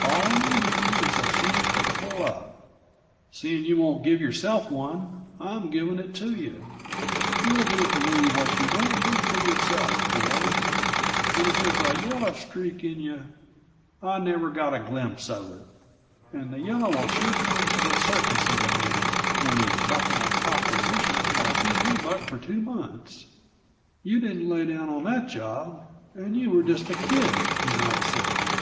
All you need is a chance to pull up. Seeing you won't give yourself one, I'm giving it to you. You'll do for me what you won't do for yourself, Ford and if there's a yellow streak in you, I never got a glimpse of it; and the yellow will sure come to the surface of a man when he's bucking a proposition like you and me bucked for two months. You didn't lay down on that job, and you were just a kid, you might say.